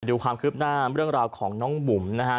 ดูความคืบหน้าเรื่องราวของน้องบุ๋มนะฮะ